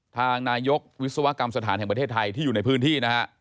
ทางนายกวิศวกรรมสถานแห่งประเทศไทยที่อยู่ในพื้นที่นะฮะ